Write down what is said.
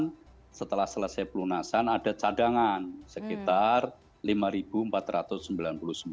kemudian setelah selesai pelunasan ada cadangan sekitar rp lima empat ratus sembilan puluh sembilan